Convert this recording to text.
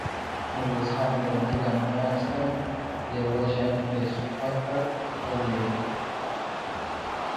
ميرويس خان ګړندي ګامونه واخيستل، د يوه ژامې ته يې سوک ورکړ، ولوېد.